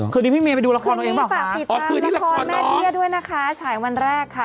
คืนนี้พี่เมย์ไปดูละครตัวเองมาฝากติดตามละครแม่เบี้ยด้วยนะคะฉายวันแรกค่ะ